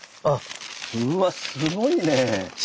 うわっすごいね。